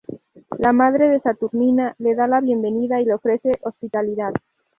La madre de Saturnina le da la bienvenida y le ofrece hospitalidad.